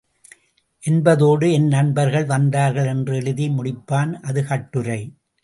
என்பதோடு என் நண்பர்கள் வந்தார்கள் என்று எழுதி முடிப்பான் அது கட்டுரை.